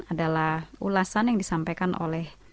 adalah ulasan yang disampaikan oleh